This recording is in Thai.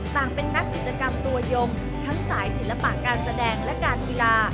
ต่างเป็นนักกิจกรรมตัวยมทั้งสายศิลปะการแสดงและการกีฬา